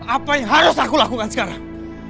apa yang harus aku lakukan sekarang